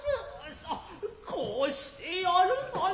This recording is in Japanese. さあこうしてやるわな。